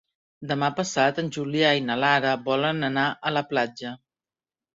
Demà passat en Julià i na Lara volen anar a la platja.